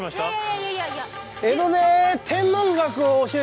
いやいやいや。